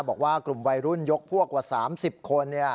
บอกว่ากลุ่มวัยรุ่นยกพวกกว่า๓๐คน